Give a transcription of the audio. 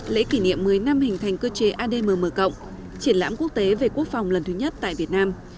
lễ kỷ niệm một mươi năm hình thành cơ chế admm triển lãm quốc tế về quốc phòng lần thứ nhất tại việt nam